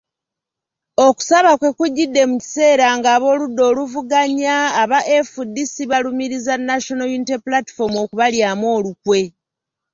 Okusaba kwe kujjidde mu kiseera nga ab’oludda oluvuganya aba FDC balumiriza National Unity Platform okubalyamu olukwe .